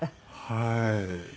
はい。